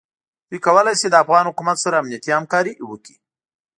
دوی کولای شي د افغان حکومت سره امنیتي همکاري وکړي.